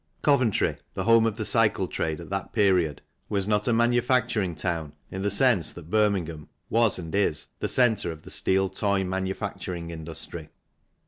Coventry, the home of the cycle trade at that period, was not a manufacturing town in the sense that Birmingham was and is the centre of the steel toy manufacturing industry.